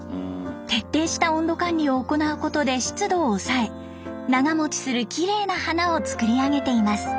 徹底した温度管理を行うことで湿度を抑え長もちするキレイな花を作り上げています。